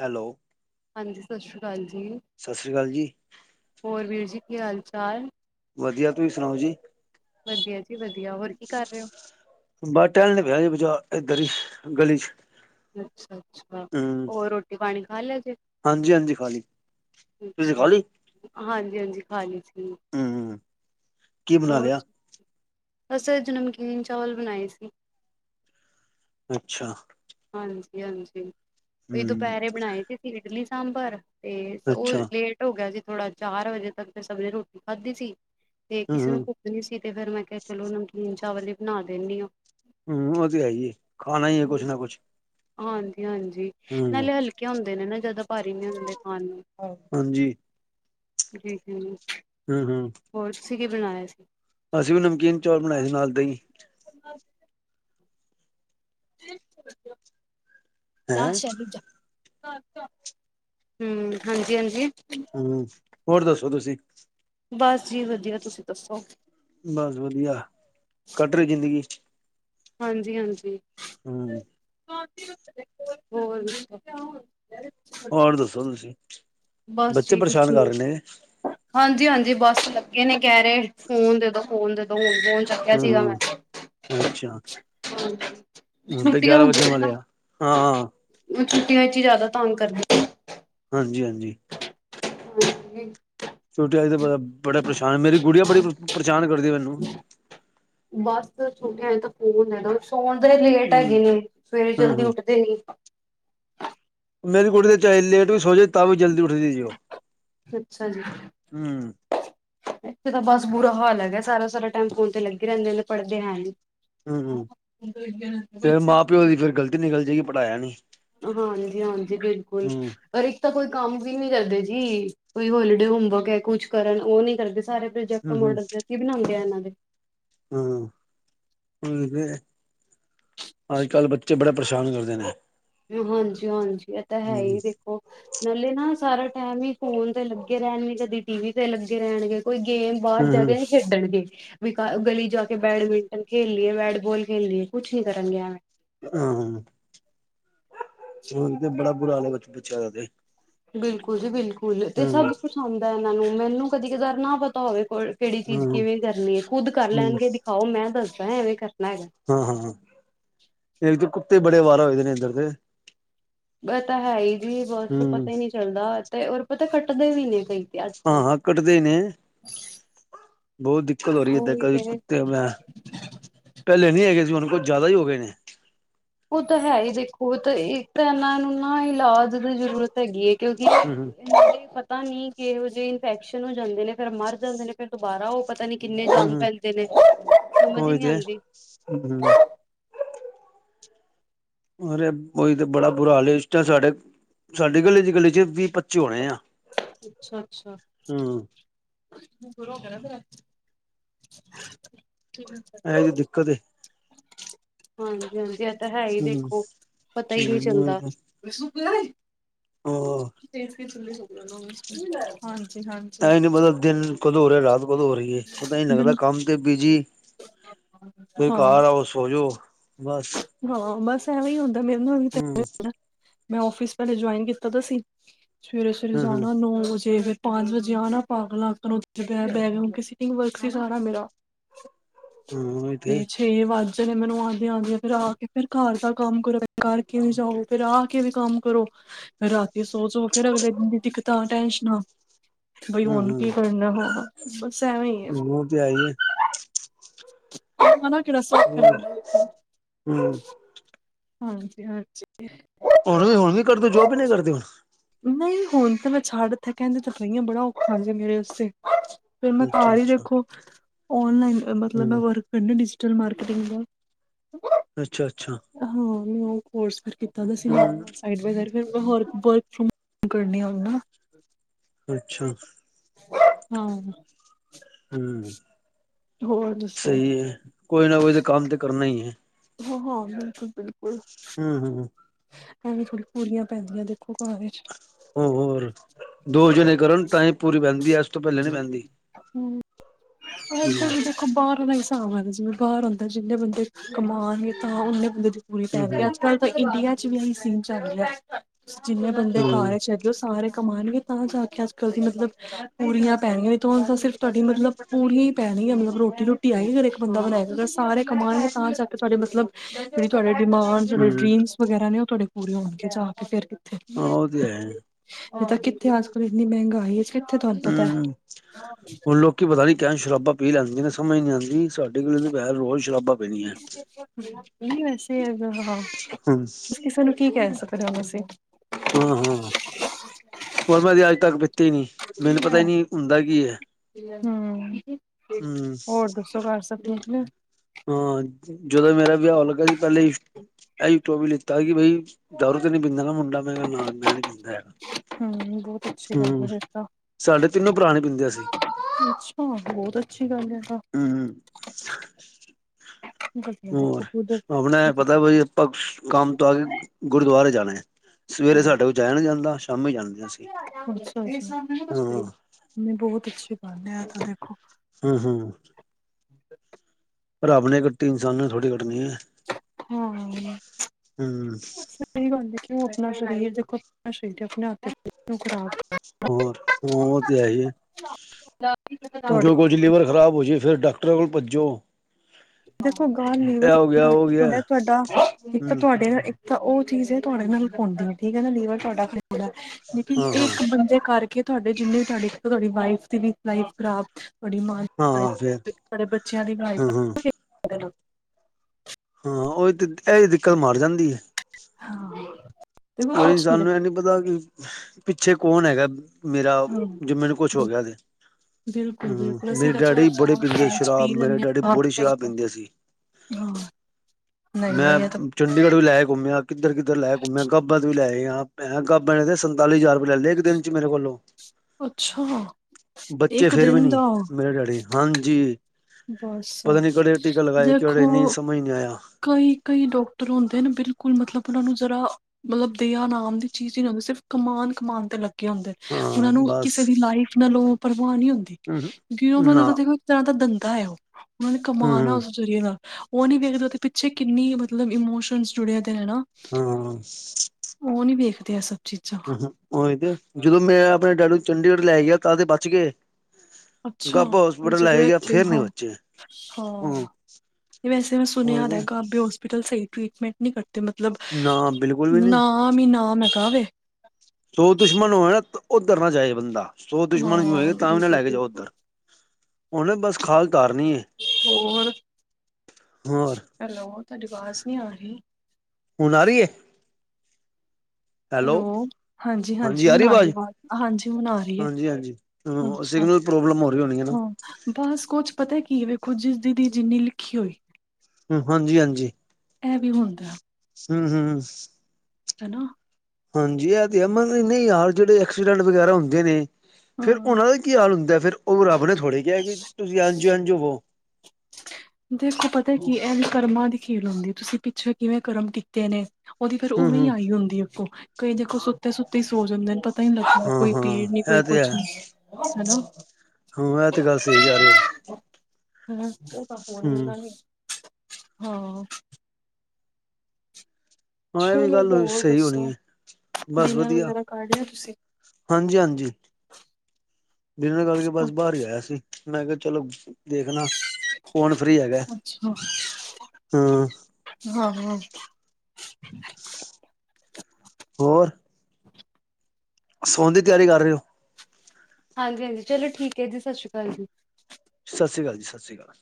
Hello. ਹਾਂਜੀ ਸਤਿ ਸ਼੍ਰੀ ਅਕਾਲ ਜੀ, ਸਤਿ ਸ੍ਰੀ ਅਕਾਲ ਜੀ ਹੋਰ ਵੀਰ ਜੀ ਕੀ ਹਾਲ ਚਾਲ? ਵਧੀਆ, ਤੁਸੀਂ ਸੁਣਾਓ ਜੀ? ਵਧੀਆ ਜੀ ਵਧੀਆ ਹੋਰ ਕੀ ਕਰ ਰਹੇ ਹੋ? ਬ ਟਹਿਲਦਾ ਪਿਆ ਜੀ ਬਾਰ ਇਧਰ ਹੀ ਗਲੀ ਚ। ਅੱਛਾ, ਅੱਛਾ ਹੂੰ ਹੋਰ ਰੋਟੀ ਪਾਣੀ ਖਾ ਲਿਆ ਜੇ? ਹਾਂਜੀ, ਹਾਂਜੀ ਖਾਲੀ। ਅੱਛਾ ਹਾਂਜੀ, ਹਾਂਜੀ ਖਾਲੀ ਸੀ। ਹੂੰ ਕੀ ਬਣਾ ਹੋਰ? ਲਿਆ ਬਸ ਅਜ ਨਮਕੀਨ ਚਾਵਲ ਬਣਾਏ ਸੀ। ਅੱਛਾ। ਹਾਂਜੀ, ਹਾਂਜੀ ਅਈ ਹੂੰ ਦੁਪਹਿਰੇ ਬਣਾਏ ਸੀ ਅਸੀ ਇਡਲੀ ਸਾਂਬਰ। ਤੇ ਉਹ ਅੱਛਾ ਲੇਟ ਹੋ ਗਿਆ ਸੀ ਥੋੜਾ ਚਾਰ ਵਜੇ ਤੱਕ ਤੇ ਸਭ ਨੇ ਰੋਟੀ ਖਾਧੀ ਸੀ। ਤੇ ਹੂੰ ਕਿਸੇ ਹੂੰ ਨੂੰ ਭੁੱਖ ਨੀ ਸੀ ਤੇ ਫੇਰ ਮੈਂ ਕਿਹਾ ਚਲੋ ਨਮਕੀਨ ਚਾਵਲ ਵੀ ਬਣਾ ਦਿੰਦੀ ਹਾਂ। ਹੁੰ ਉਹ ਤੇ ਹੈ ਹੀ ਏ ਖਾਣਾ ਹੀ ਹੈ ਹਾਂ ਕੁਛ ਨਾ ਕੁਛ। ਹਾਂਜੀ, ਹਾਂਜੀ ਹੂੰ ਨਾਲੇ ਹਲਕੇ ਹੁੰਦੇ ਨੇ ਨਾ ਜ਼ਿਆਦਾ ਭਾਰੀ ਨੀ ਹੁੰਦੇ ਖਾਣ ਨੂੰ। ਹਾਂਜੀ ਜੀ, ਜੀ। ਹੁੰ, ਹੁੰ। ਹੋਰ, ਤੁਸੀਂ ਕੀ ਬਣਾਇਆ ਸੀ? ਅਸੀਂ ਵੀ ਨਮਕੀਨ ਚੌਲ ਬਣਾਏ ਸੀ ਨਾਲ ਦਹੀ। ਹੈਂ ਲਾਸ਼ਹਿੂ ਜਾਾ [unintelligible] ਹੁੰ ਹਾਂਜੀ, ਹਾਂਜੀ। ਹੁੰ, ਹੋਰ ਦੱਸੋ ਤੁਸੀਂ? ਬਸ ਜੀ ਵਧੀਆ ਤੁਸੀਂ ਦੱਸੋ? ਬਸ, ਵਧੀਆ ਕੱਟ ਰਹੀ ਜ਼ਿੰਦਗੀ। ਹਾਂਜੀ, ਹਾਂਜੀ। ਹ ਹੋਰ। [unintelligible] ਹੋਰ ਦੱਸੋ ਤੁਸੀਂ? ਬਸ ਬੱਚੇ ਜੀ ਕੁਛ ਪਰੇਸ਼ਾਨ ਕਰ ਨੀ। ਰਹੇ ਨੇ ਹਾਂਜੀ, ਹਾਂਜੀ ਬੱਸ ਲੱਗੇ ਨੇ ਕਹਿ ਰਹੇ ਫੋਨ ਦੇ ਦੋ, ਫੋਨ ਦੇ ਦੋ ਹਣ ਫੋਨ ਚੱਕਿਆ ਸੀਗਾ ਮੈਂ, ਹੂੰ ਹਾਂਜੀ। ਅੱਛਾ ਹੁਣ ਤੇ ਗਿਆਰਾਂ ਵੱਜਣ ਵਾਲੇ ਆ ਹਾਂ। ਉਹ ਛੁੱਟੀਆਂ ਵਿਚ ਹੀ ਜ਼ਿਆਦਾ ਤੰਗ ਕਰਦੇ। ਹਾਂਜੀ, ਹਾਂਜੀ। ਹਾਂ [unintelligible] ਛੋਟੀ ਆਲੀ ਤੇ ਬ ਬੜਾ ਪਰੇਸ਼ਾਨ ਮੇਰੀ ਗੁੜੀਆ ਬੜੀ ਪਰੇਸ਼ਾਨ ਕਰਦੀ ਮੈਨੂੰ। ਬਸ ਛੁੱਟੀਆਂ ਚ ਤਾਂ ਫੋਨ ਦੇਦੋ ਸੌਣ ਦੇ ਲੇਟ ਹੂੰ ਹੈਗੇ ਨੇ ਸਵੇਰੇ ਹੂੰ ਜਲਦੀ ਹੂੰ ਉੱਠਦੇ ਨੀਂ। ਮੇਰੀ ਕੁੜੀ ਤੇ ਚਾਹੇ ਲੇਟ ਵੀ ਸੋ ਜੇ ਤਾਂ ਵੀ ਜਲਦੀ ਉੱਠਦੀ ਜੇ ਉਹ। ਅੱਛਾ ਜੀ। ਹੂੰ ਇੱਥੇ ਤਾਂ ਬਸ ਬੁਰਾ ਹਾਲ ਹੈਗਾ ਸਾਰਾ ਸਾਰਾ ਟਾਈਮ ਫੋਨ ਤੇ ਲੱਗੇ ਰਹਿੰਦੇ ਨੇ ਪੜ੍ਹਦੇ ਹੈ ਨੀਂ। ਹੁੰ, ਹੁੰ ਫਿਰ ਮਾਂ ਪਿਓ ਦੀ ਫੇਰ ਗ਼ਲਤੀ ਨਿਕਲ ਜਾਏਗੀ ਪੜ੍ਹਾਇਆ ਨੀ। ਹਾਂਜੀ, ਹਾਂਜੀ ਬਿਲਕੁਲ। ਹੂੰ ਪਰ ਇੱਕ ਤਾਂ ਕੋਈ ਕੰਮ ਵੀ ਨੀ ਕਰਦੇ ਜੀ ਕੋਈ ਹੋਲੀਡੇ ਹੋਮਵਰਕ ਹੈ ਕੁਛ ਕਰਨ ਉਹ ਨੀ ਕਰਦੇ ਸਾਰੇ ਪ੍ਰੋਜੈਕਟ ਹੂੰ ਮੋਡਲ ਦੇ ਅਸੀਂ ਬਣਾਉਂਦੇ ਆ ਇਹਨਾਂ ਦੇ ਹਾਂ ਅੱਜ ਕੱਲ ਬੱਚੇ ਬੜੇ ਪਰੇਸ਼ਾਨ ਕਰਦੇ ਨੇ ਹਾਂਜੀ ਹਾਂਜੀ ਇਹ ਤਾਂ ਹੈ ਹੂੰ ਹੀ ਦੇਖੋ ਨਾਲੇ ਨਾ ਸਾਰਾ ਟਾਈਮ ਹੀ ਫੋਨ ਤੇ ਲੱਗੇ ਰਹਿਣਗੇ ਕਦੀ ਟੀ ਵੀ ਤੇ ਲੱਗੇ ਰਹਿਣਗੇ ਕੋਈ ਗੇਮ ਬਾਹਰ ਜਾ ਕੇ ਹੂੰ ਨਹੀਂ ਖੇਡਣਗੇ ਬਕਾ ਗਲੀ ਜਾ ਕੇ ਬੈਡਮਿੰਟਨ ਖੇ ਖਏ ਬੈਟ ਬਾਲ ਖੇਲ ਲਈਏ ਕੁਛ ਨ ਨਹੀਂ ਕਰਗੇਂ। ਹਾਂ ਹ ਤੇ ਬੜਾ ਬੁਰਾ ਹਾਲ ਬੱਚਿਆਂ ਦਾ ਤੇ। ਬਿਲਕੁਲ ਜੀ ਬਿਲਕੁਲ ਤੇ ਹੂੰ ਸਭ ਕੁਛ ਆਉਂਦਾ ਇਹਨਾਂ ਨੂੰ ਮੈਨੂੰ ਕਦੀ ਕਦਾਰ ਨਾ ਪਤਾ ਹੋਵੇ ਵਰ ਕਿਹੜੀ ਚੀਜ਼ ਹੂੰ ਕਿਵੇਂ ਕਰਨੀ ਹੈ ਖੁੱਦ ਕਰ ਹੂੰ ਲੈਣਗੇ ਦਿਖਾਓ ਮੈਂ ਦੱਸਦਾ ਐਵੇਂ ਕਰਨਾ ਹੈਗਾ। ਹਾਂ ਹਾਂ ਇਹ ਕੁਤੇ ਬੜੇ ਅਵਾਰਾ ਹੋਏ ਦੇ ਨੇ ਇਧਰ ਤੇ ਇਹ ਤਾਂ ਹੈ ਹੀ ਜੀ ਬਸ ਹੂੰ ਪਤਾ ਹੀ ਨਹੀਂ ਚੱਲਦਾ ਤੇ ਰ ਪਤਾ ਕਟਦੇ ਵੀ ਨੇ ਕਈ। ਤੇ ਅੱਜ ਹਾਂ ਕੱਲ ਹਾਂ ਕਟਦੇ ਨੇ ਬਹੁਤ ਦਿੱਕਤ ਹੋ ਰਹੀ ਏਦਾਂ ਕ ਤੇ ਮੈਂ ਪਹਿਲੇ ਨਹੀਂ ਹੈਗੇ ਸੀ ਉਹਨਾਂ ਕੋਲ ਜ਼ਿਆਦਾ ਹੀ ਹੋ ਗਏ ਨੇ ਉਹ ਤਾਂ ਹੈ ਹੀ ਦੇਖੋ ਤਾਂ ਇਹ ਤਾਂ ਇਹਨਾਂ ਨੂੰ ਨਾ ਇਲਾਜ ਦੀ ਜ਼ਰੂਰਤ ਹੈਗੀ ਹੈ ਕਿਉਂਕਿ ਹੂੰ ਹੂੰ ਇਹਨਾਂ ਨੇ ਪਤਾ ਨੀ ਕਿਹੋ ਜਿਹੇ ਇਨਫੈਕਸ਼ਨ ਹੋ ਜਾਂਦੇ ਨੇ ਫੇਰ ਮਰ ਜਾਂਦੇ ਨੇ ਫੇਰ ਦੁਬਾਰਾ ਉਹ ਪਤਾ ਨੀ ਕਿੰਨੇ ਹੂੰ ਕੰਮ ਪੈਂਦੇ ਨੇ ਹੂੰ ਸਮਝ ਹੀ ਉਹੀ ਨਹੀਂ ਤੇ ਆਉਂਦੀ। ਹੂੰ ਔਰ ਉਹੀ ਤੇ ਬੜਾ ਬੁਰਾ ਹਾਲ ਇਸਟ ਆ ਸਾਡੇ ਸਾਡੇ ਗਲੇ ਚ ਗਲੀ ਚ ਵੀਹ ਪੱਚੀ ਹੋਣੇ ਆ। ਅੱਛਾ, ਅੱਛਾ। [unintelligible] ਹੂੰ ਇਹ ਜੀ ਦਿੱਕਤ ਏ ਹਾਂਜੀ-ਹਾਂਜੀ ਆ ਤਾਂ ਹੈ ਹੀ ਹੂੰ ਦੇਖੋ ਪਤਾ ਹੀ ਨਹੀਂ ਚੱਲਦਾ। ਹੂੰ ਉਹ ਹਾਂਜੀ ਹਾਂ। ਐਂ ਨੀ ਪਤਾ ਦਿਨ ਕਦੋਂ ਹੋ ਰਿਹਾ ਰਾਤ ਕਦੋਂ ਹੋ ਰਹੀ ਹੈ ਪਤਾ ਇ ਬਿਲ ਲੱਗਦਾ ਕੰਮ ਤੇ ਬਿਜੀ। ਹਾਂ ਘਰ ਆਓ ਸੋਜੋ ਬਸ। ਹਾਂ ਬਸ ਐਵੇਂ ਹੀ ਹੁੰਦਾ, ਹੂੰ ਮੇਰੇ ਮੈਂ ਫਿਸ ਪਹਿਲੇ ਜੁਆਇਨ ਕੀਤਾ ਤਾਂ ਸੀ। ਸਵੇਰੇ -ਸਵੇਰੇ, ਹੂੰ ਹੂੰ ਜਾਣਾ ਨੌ ਵਜੇ ਫਿਰ। ਪੰਜ ਵਜੇ ਆ ਨਾ ਪਾਗਲਾ ਬਉ ਸਟਿੰਗ ਵਰਕ ਸੀ ਸਾਰਾ ਮੇਰਾ ਹੂੰ ਉਹੀ ਤੇ ਛੇ ਵੱਜ ਨੇ ਮੈਨੂੰ ਆਉਂਦੀਆਂ- ਆਉਂਦੀਆਂ ਫਿਰ ਆ ਕੇ। ਫੇਰ ਘਰ ਦਾ ਕੰਮ ਕਰੋ ਕਰਕੇ ਵੀ ਜਾਓ ਫੇਰ ਆ ਕੇ ਵੀ ਕੰਮ ਕਰੋ। ਰਾਤੀ ਸੋ ਜੋਂ ਫੇਰ ਅਗਲੇ ਦਿਨ ਦੀ ਦਿੱਕਤਾਂ ਟੈਨਸ਼ਨਾਂ। ਬਈ ਹੂੰ ਹੁਣ ਕੀ ਹੂੰ ਕਰਨਾ ਹੋ ਬਸ ਐਵੇਂ ਹੀ ਹੈ। ਮੂੰਹ ਤੇ ਆਈਏ [unintelligible] ਨਾ ਕਿਹੜਾ ਸੌਖਾ ਹੋਰ ਹੈ ਹਮ। ਹਾਂਜੀ ਹਾਂਜੀ। ਹੁਣ ਵੀ ਹੁਣ ਵੀ ਕਰਦੀ ਜੋਬ ਕੇ ਨਹੀਂ ਕਰਦੇ। ਨਹੀਂ ਹੁਣ ਤਾਂ ਮੈਂ ਛੱਡ ਉਥੇ ਕਹਿੰਦੀ ਤਾ ਪਈ ਹਾ ਬੜਾ ਔਖਾ ਜਾ ਮੇਰੇ ਵਾਸਤੇ ਫਿਰ ਮੈਂ ਹੁਣ ਅੱਛਾ ਘਰ ਹੀ ਅੱਛਾ ਦੇਖੋ ਔਨਲਾਈਨ ਮਤਲਬ ਹੂੰ ਮੈਂ ਵਰਕ ਡਿਜੀਟਲ ਮਾਰਕੀਟ ਦਾ। ਅੱਛਾ-ਅੱਛਾ। ਹਾਂ ਮੈਂ ਉਹ ਕੋਰਸ ਫਿਰ ਕੀਤਾ ਸੀ ਹਮ ਸਾਈਡ ਬਾਏ ਫਿਰ ਮੈਂ ਹੋਰ ਵਰਕ ਫਰੂਮ ਕਰਨ ਅੱਛਾ। ਹਾਂ। ਹਮ ਹੋਰ ਦੱਸੋ ਸਹੀ ਹੈ ਕੋਈ ਨਾ ਕੋਈ ਤਾਂ ਕੰਮ ਤੇ ਕਰਨਾ ਹੀ ਹੈ। ਹਾਂ -ਹਾਂ, ਬਿਲਕੁਲ - ਬਿਲਕੁਲ। ਹਮ ਹਮ। ਐਵੇਂ ਥੋੜੀ ਪੂਰੀਆਂ ਪੈਂਦੀਆਂ ਦੇ। [unintelligible] [unintelligible] ਹੋ ਹੋਰ। ਦੋ ਜਣੇ ਕਰਨ ਤਾਂ ਹੀ ਪੂਰੀ ਪਹਿੰਦੀ ਹੈ ਇਸ ਤੋਂ ਪਹਿਲੇ ਨੀ ਪਹਿੰਦੀ। ਕਲਜੁਗ ਐ ਬਾਹਰਾਂ ਦਾ ਹਿਸਾਬ ਹੈ ਜਿਵੇਂ ਬਾਹਰ ਆਉਂਦਾ ਜਿੰਨੇ ਬੰਦੇ ਕਮਾਉਣਗੇ ਤਾਂ ਉਨੇ ਹਮ ਹਮ ਬੰਦੇ। ਇੰਡੀਆ ਚ ਵੀ ਸੀਨ ਚੱਲ ਰਿਹਾ। ਜੀਨੇ ਬੰਦੇ ਹਮ ਘਰ‌ ਚ ਉਹ ਸਾਰੇ ਕਮਾਉਣਗੇ ਤਾਂ ਜਾ ਕੇ ਅੱਜਕੱਲ੍ਹ ਦੀ ਮਤਲਬ ਪੂਰੀਆਂ ਪੈਣੀਆਂ ਵੀ ਤਾਂ ਤਾਂ ਸਿਰਫ ਤੁਹਾਡੀ ਮਤਲਬ ਪੂਰੀਆਂ ਹੀ ਪੈਣਗੀਆਂ ਮਤਲਬ ਰੋਟੀ ਰੋਟੀ ਆਏਗੀ ਅਗਰ ਇੱਕ ਬੰਦਾ ਬਣਾਏਗਾ ਅਗਰ ਸਾਰੇ ਕਮਾਉਣਗੇ ਤਾਂ ਕਰਕੇ ਤੁਹਾਡੇ ਮਤਲਬ ਜਿਹੜੇ ਤੁਹਾਡੇ ਡਿਮਾਂਡ ਤੁਹਾਡੇ ਹਮ ਡਰੀਮ ਵਗੈਰਾ ਨੇ ਉਹ ਤੁਹਾਡੇ ਪੂਰੇ ਹੋਂਗੇ ਜਾ ਫਿਰ ਓਹ ਤੇ ਹੈ। ਆ ਤਾਂ ਕਿੱਥੇ ਅੱਜਕਲ ਇੰਨੀ ਮਹਿੰਗਾਈ ਹੈ ਕਿੱਥੇ ਤੁਹਾਡਾ ਪੈ ਹੈ। ਕਿ ਪਤਾ ਨਹੀਂ ਕਹਿ ਸ਼ਰਾਬਾਂ ਪੀ ਲੈਂਦੀਆਂ ਨੇ ਸਮਝ ਨਹੀਂ ਆਉਂਦੀ ਸਾਡੇ ਕੋਲ ਵੈਸੇ ਰੋਜ਼ ਸ਼ਰਾਬਾ ਨਹੀਂ ਵੈਸੇ ਹੈਗਾ ਹਾਂ ਹਮ ਤੁਸੀਂ ਕਿਸੇ ਨੂੰ ਕੀ ਕਹਿ ਸਕਦੇ। ਫਿਰ ਅਸੀ [unintelligible] ਹਾਂ ਹਾਂ ਹੋਰ ਮੈਂ ਅੱਜ ਤੱਕ ਪੀਤੀ ਨੀ ਮੈਨੂੰ ਪਤਾ ਹੀ ਨਹੀਂ ਹੁੰਦਾ ਕੀ ਹੈ। ਹਮ ਹਮ ਹੋਰ ਦੱਸੋ ਘਰ ਸਬ ਠੀਕ ਨੇ? ਹਾਂ ਜਦੋਂ ਮੇਰਾ ਵਿਆਹ ਹੋ ਲੱਗਾ ਸੀ ਪਹਿਲੇ ਇਹੀ ਟੋਵਕ ਲਿੱਤਾ ਸੀ ਕਿ ਬਈ ਦਾਰੂ ਤੇ ਨੀ ਪੀਂਦਾ ਨਾ ਮੁੰਡਾ ਮੈ ਕਿਹਾ ਨਾ ਮੈਂ ਨੀ ਪੀਂਦਾ ਹੈਗਾ। ਹਮ ਬਹੁਤ ਅੱਛਾ। ਹਮ ਸਾਡੇ ਤਿੰਨੋ ਭਰਾ ਨਹੀ ਪੀਂਦੇ ਅਸੀਂ। ਅੱਛਾ ਬਹੁਤ ਅੱਛੀ ਗੱਲ ਏ ਤਾ ਹੂੰ ਹੁਣ ਹੈ ਪਤਾ ਵਈ ਆਪਾਂ ਨੂੰ ਕੰਮ ਤੋਂ ਆ ਕੇ ਗੁਰੂਦੁਆਰੇ ਜਾਣੇ ਆ। ਸਵੇਰੇ ਸਾਡੇ ਕੋਲ ਜਾਇਆ ਨਹੀ ਜਾਂਦਾ ਸ਼ਾਮੀ ਜਾਂਦੇ ਅਸੀਂ ਹਾਂ। ਬਹੁਤ ਅੱਛੀ ਬਾਤ ਹੈ ਤਾਂ ਦੇਖੋ ਹਮ ਹਮ। ਰੱਬ ਨੇ ਕੱਟੀ ਇਨਸਾਨ ਥੋੜੀ ਹਾਂ। ਹੂੰ ਸਹੀ ਗੱਲ ਹੈ ਕਿ ਉਹ ਆਪਣਾ ਸਰੀਰ ਦੇਖੋ ਆਪਣਾ ਸਰੀਰ ਆਪਣੇ ਆਪ ਸਰੀਰ ਨੂੰ ਖਰਾਬ ਹੋਰ ਉਹ ਤੇ ਹੈ ਹੀ ਹੈ ਤੁਹਾਡੇ ਜੋ ਕੁਝ ਕਿ ਲਿਵਰ ਖ਼ਰਾਬ ਹੋ ਜਾਏ ਫਿਰ ਡਾਕਟਰ ਕੋਲ ਭੱਜੋ। ਦੇਖੋ ਗੱਲ ਲਿਵਰ ਇਹ ਹੋ ਗਿਆ ਉਹ ਹੋ ਗਿਆ ਨਾਲ ਤੁਹਾਡਾ ਇੱਕ ਹੂੰ ਤੁਹਾਡੇ ਨਾਲ ਤਾਂ ਉਹ ਚੀਜ਼ ਤੁਹਾਡੇ ਨਾਲ ਪਾਉਂਦੀ ਆ ਠੀਕ ਹੈ ਨਾ ਲੀਵਰ ਤੁਹਾਡਾ ਖਰਾਬ ਹੈ। ਲੇਕਿਨ ਹਾਂ ਇਹ ਹਾਂ ਇੱਕ ਬੰਦੇ ਕਰਕੇ ਤੁਹਾਡੇ ਜਿੰਨੇ ਵੀ ਤੁਹਾਡੇ ਤੁਹਾਡੀ ਵਾਈਫ ਦੀ ਵੀ ਲਾਈਫ ਖਰਾਬ। ਤੁਹਾਡੀ ਮਾਂ ਦੀ ਹਾਂ ਫਿਰ ਤੁਹਾਡੇ ਬੱਚਿਆਂ ਦੀ ਲਾਇਫ ਹਾਂ ਹਾਂ ਲਗਣਾ, ਹਾਂ ਹੀ ਇਹਹੀ ਦਿੱਕਤ ਮਾਰ ਜਾਂਦੀ ਹੈ। ਹਾਂ, ਦੇਖੋ ਰ ਇਨ ਕੁਛ ਸਾਨੂੰ ਇਹ ਰੱਖਿਆ ਨੀ ਪਤਾ ਕਿ ਪਿੱਛੇ ਕੌਣ ਹੈਗਾ। ਮੇਰਾ ਜਿ ਮੇ ਨੂੰ ਕੁਛ ਹੋ ਗਿਆ ਤੇ ਬਿਲਕੁਲ ਹੂੰ ਬਿਲਕੁਲ ਅਸੀਂ ਮੇਰੇ ਤਾਂ ਚਲੋ ਡੈਡੀ ਚਾਹ ਬੜੇ ਪੀਂਦੇ ਪਾਣੀ ਚ ਸ਼ਰਾਬ ਮੇਰੇ ਡੈਡੀ ਬੜੀ ਸ਼ਰਾਬ ਪੀਂਦੇ ਸੀ। ਹਮ ਨਹੀਂ ਨਹੀਂ ਆ ਤਾਂ ਚੰਡੀਗੜੋ ਲੈਕੇ ਘੁੰਮਿਆ ਕਿੱਧਰ ਕਿੱਧਰ ਲੈਕੇ ਘੁੰਮਿਆ। ਗੱਬ ਵੀ ਲੈ ਗਏ ਗੱਬ ਤੇ ਸੰਤਾਲੀ ਹਜ਼ਾਰ ਰੁਪਏ ਲੈ ਲਏ ਇੱਕ ਦਿਨ ਚ ਮੇਰੇ ਕੋਲੋਂ। ਅੱਛਾ ਬੱਚੇ ਇੱਕ ਫਿਰ ਵੀ ਦਿਨ ਨੀ ਦਾ ਮੇਰੇ ਡੈਡੀ ਹਾਂਜੀ। ਬਸ ਪਤਾ ਨੀ ਕਿਹੜੇ ਟੀਕੇ ਲਗਾਏ ਆ ਕਿਹੜੇ ਨੀ ਸਮਝ ਨਹੀਂ ਆਇਆ। ਕਈ ਕਈ ਡਾਕਟਰ ਹੁੰਦੇ ਨੇ ਬਿਲਕੁਲ ਮਤਲਬ ਉਹਨਾਂ ਨੂੰ ਜਰਾ ਮਤਲਬ ਦਯਾ ਨਾਮ ਦੀ ਚੀਜ਼ ਹੀ ਨਹੀਂ ਹੁੰਦੀ ਸਿਰਫ਼ ਕਮਾਣ ਕਮਾਣ ਤੇ ਲੱ ਹੁੰਦੇ ਉਹਨਾਂ ਹਾਂ ਨੂੰ ਬਸ ਕਿਸੇ ਦੀ ਲਾਈਫ ਨਾਲੋਂ ਪਰਵਾਹ ਨਹੀਂ ਹੁੰਦੀ ਕਿਉ ਉਹਨਾਂ ਦਾ ਨਾ ਤਾਂ ਦੇਖੋ ਇੱਕ ਤਰ੍ਹਾਂ ਦਾ ਦੰਦਾ ਹੈ ਉਹਨਾਂ ਨੇ ਕਮਾਣ ਨਾ ਹੂੰ ਉਸ ਜ਼ਰੀਏ ਦਾ ਉਹ ਨੀ ਵੇਖਦੇ ਉਦੇ ਪਿੱਛੇ ਕਿੰਨੀ ਮਤਲਬ ਇਮੋਸ਼ਨ ਜੁੜਿਆ ਤੇ ਹੈਾ। ਹਾਂ। ਉਹ ਨੀ ਵੇਖਦੇ ਆ ਸਭ ਚੀਜ਼ਾਂ। ਉਹੀ ਤੇ ਜਦੋਂ ਮੈਂ ਆਪਣੇ ਡੈਡੀ ਚੰਡੀਗੜ੍ਹ ਲੈ ਗਿਆ ਤਾਂ ਤੇ ਬੱਚ ਗਏ। ਅੱਛਾ ਗੱਪ ਵੀ ਹੋਸਪਿਟਲ ਜਦੋਂ ਲੈ ਗਿਆ ਇਥੇ ਫੇਰ ਨੀ ਹਾਂ ਬੱਚੇ ਹੂੰ ਹਾਂ। ਵੈਸ ਮੈਂ ਸੁਣਿਆ ਦਾ ਗਾਬੇ ਹੋਸਪਿਟਲ ਸਹੀ ਟ੍ਰਰੀਟਮੈਂਟ ਨਹੀਂ ਕਰ। ਤੇ ਮਤਲਬ ਨਾ ਬਿਲਕੁਲ ਵੀ ਨਾਮ ਹੀ ਨਾਮ ਹੈ ਕਾ ਹਵੇ, ਸੋ ਦੁਸ਼ਮਣ ਹੋਏ, ਨਾ ਉੱਦਰ ਨਾ ਜਾਏ ਬੰਦਾ ਸੌ ਦੁਸ਼ਮਣ ਵੀ ਹਾਂ ਹੋਏਗਾ ਤਾਂ ਵੀ ਨਾ ਲੈ ਕੇ ਜਾਓ ਬਿਲਕੁਲ-ਬਿਲਕੁਲ ਉੱਦਰ ਉਹਨੇ ਬਸ ਖਲ ਤਾਰਨੀ ਹੈ। ਹੋਰ ਹੋਰ ਹੈਲੋ, ਤਾਂਡੀ ਵਾਜ਼ ਨਹੀਂ ਆਰੀ, ਹੁਣ ਰਹੀ ਆ, ਹੈਲੋ ਹਾਂਜੀ, ਹੁਣ ਆਰੀ ਆ ਰਹੀ ਵਾਜ਼ ਆਵਾਜ਼ ਹਾਂਜੀ ਹੁਣ ਆ ਰਹੀ ਹੈ ਹਾਂਜੀ ਹਾਂਜੀ, ਹੂੰ, ਅੱਛਾ ਸਿਗਨਲ ਪ੍ਰੋਬਲਮ ਹੋ ਰਹੀ ਹੋਣੀ ਨਾ, ਹਾਂ ਬਸ ਕੁਛ ਪਤਾ ਕੀ ਵੇਖੋ ਜਿਸ ਦੀਦੀ ਜਿੰਨੀ ਲਿਖੀ ਹੋਈ। ਹਾਂਜੀ ਹਾਂਜੀ, ਇਹ ਵੀ ਹੁੰਦਾ। ਹੂੰ-ਹੂੰ, [unintelligible] ਹਾਂਜੀ ਇਹ ਤੇ ਆ ਮਤ ਨਹੀਂ ਯਾਰ ਜਿਹੜੇ ਐਕਸੀਡੈਂਟ ਵਗੈਰਾ ਹੁੰਦੇ ਨੇ, ਫੇਰ ਹਾਂ ਉਨਾਂ ਦਾ ਕੀ ਹਾਲ ਹੁੰਦਾ ਫੇਿਰ ਉਹ ਰੱਬ ਨੇ ਥੋੜ੍ਹੇ ਕਿਹਾ ਕਿ ਤੁਸੀਂ ਆਝ ਆਝਵੋ ਦੇਖੋ ਪਤਾ ਕੀ ਇਹ ਵੀ ਕਰਮਾਂ ਦੀ ਖੇਲ ਹੁੰਦੀ ਹੈ ਤੁਸੀਂ ਪਿੱਛੇ ਕਿਵੇਂ ਕਰਮਤੇ, ਨੇ ਉਹਦੀ ਫੇਰ ਹੂੰ ਉਵੇਂ ਹੂੰ ਆਈ ਹੁੰਦੀੋ ਕਈ ਦੇਖੋ, ਸੁੱਤੇ ਸੁੱਤੇ ਸੋਚ ਹੁੰਦੇ ਨੇਤਾ, ਪਤਾ ਹੀ ਲੱਗਣਾ ਹਾਂ ਕੋਈ ਪੀੜ ਨੀ ਹਾਂ ਕੋਈ ਇਹ ਤੇ ਕੁਛ ਹੈ ਨੀ ਹਨਾ। ਹਾਂ ਇਹ ਤੇ ਗੱਲ ਸਹੀ ਆ ਹ ਉਹ ਤਾਂ ਮੇਰਾ ਹੂੰ, ਹਾਂ, ਹਾਂ ਇਹ ਵੀ ਚਲੋ ਗੱਲ ਹੋਈ ਹੋਰ ਸਹੀ ਹੋਣੀ ਦੱਸੋ ਹੈ ਬਸ ਡਿਨਰ ਵਧੀਆ, ਵਗੈਰਾ ਕਰ ਲਿਆ ਤੁਸੀਂ ਹਾਂਜੀ ਹਾਂਜੀ, ਵੀਰੇ ਨਾਲ ਗੱਲ ਕੇ ਬਸ ਬਾਹਰ ਹੀ ਆਇਆ ਸੀ, ਮੈਂ ਕਿਹਾ ਚਲੋ ਦੇਖਣਾ। ਕੋਨ ਫ੍ਰਰੀ ਹੈਗਾ। ਅੱਛਾ ਹਾਂ ਹਾਂ ਹੂੰ, ਹੋਰ? ਸੌਣ ਦੀ ਤਿਆਰੀ ਕਰ ਰਹੇ ਹੋ। ਹਾਂਜੀ ਹਾਂਜੀ ਚਲੋ ਠੀਕ ਹੈ ਜੀ ਸਤਿ ਸ਼੍ਰੀ ਅਕਾਲ ਜੀ। ਸਤਿ ਸ਼੍ਰੀ ਅਕਾਲ ਸਤਿ ਸ਼੍ਰੀ ਅਕਾਲ।